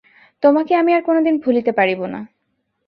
তোমাকে আমি কোনোকালে ভুলিতে পারিব না।